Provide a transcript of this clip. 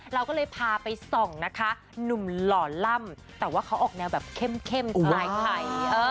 เราก็เลยพาไปส่องนะคะหนุ่มหล่อล่ำแต่ว่าเขาออกแนวแบบเข้มสไตล์ไทย